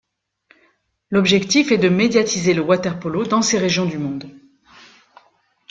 L'objectif est de médiatiser le water-polo dans ces régions du monde.